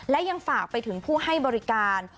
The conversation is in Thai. และยังฝากไปถึงผู้ให้บริการ